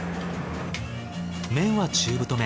麺は中太麺。